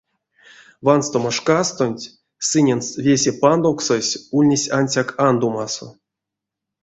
Ванстома шкастонть сыненст весе пандовксось ульнесь ансяк андомасо.